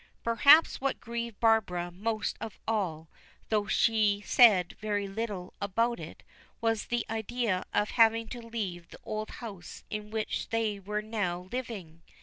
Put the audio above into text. Perhaps what grieved Barbara most of all, though she said very little about it, was the idea of having to leave the old house in which they were now living.